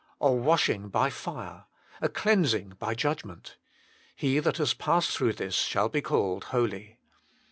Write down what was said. A washing by fire ! a cleansing by judgment ! He that has passed through this shall be called holy.